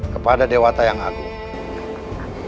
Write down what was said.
kepada dewata yang agung